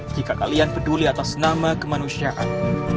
jika kalian peduli atas nama kemanusiaan